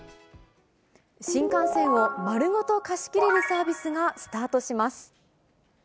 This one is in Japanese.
新幹線を丸ごと貸し切れるサービスがスタートします。